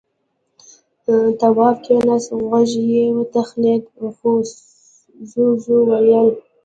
تواب کېناست. غوږ يې وتخڼېد. جُوجُو وويل: